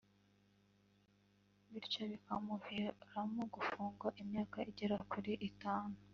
bityo bikamuviramo gufungwa imyaka igera kuri itanu